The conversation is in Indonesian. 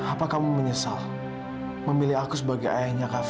apa kamu menyesal memilih aku sebagai ayahnya kak fah